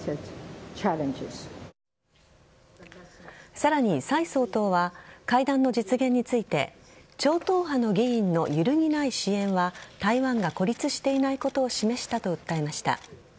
さらに、蔡総統は会談の実現について超党派の議員の揺るぎない支援は台湾が孤立していないことを示したと訴えました。